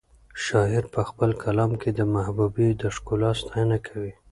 شاعر په خپل کلام کې د محبوبې د ښکلا ستاینه کوي.